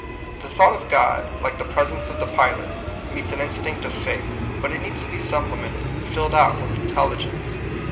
The thought of God, like the presence of the pilot, meets an in stinct of faith; but it needs to be supple mented and filled out with intelligence.